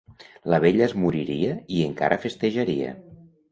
La vella es moriria i encara festejaria.